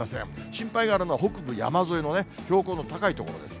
心配があるのは北部山沿いの標高の高い所です。